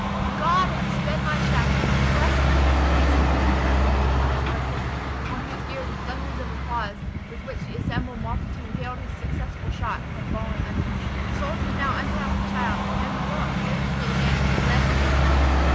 "God hath sped my shaft, and blessed be His name!" exclaimed the pious archer, on whose ear the thunders of applause, with which the assembled multitude hailed his successful shot, had fallen unheeded. The soldiers now unbound the child; and Lalotte fearlessly advanced, and led him to his father.